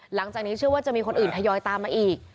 หลังจากนี้เชื่อว่าจะมีคนอื่นทยอยตามมาอีก